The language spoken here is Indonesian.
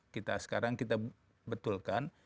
kita sekarang kita betulkan